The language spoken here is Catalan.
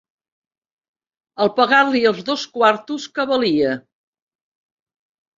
...al pagar-li els dos quartos, que valia